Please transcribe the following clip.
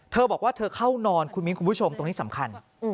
เธอบอกว่าเธอเข้านอนคุณมิ้นคุณผู้ชมตรงนี้สำคัญ